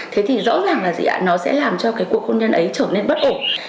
thế thì rõ ràng là nó sẽ làm cho cái cuộc hôn nhân ấy trở nên bất ổn